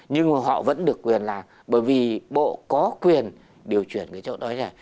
nhưng mà họ vẫn được quyền làm bởi vì bộ có quyền điều chuyển cái chỗ đó